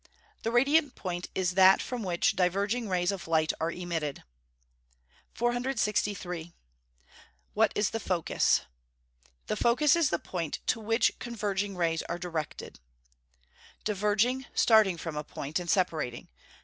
_ The radiant point is that from which diverging rays of light are emitted. 463. What is the focus? The focus is the point to which converging rays are directed. Diverging, starting from a point, and separating.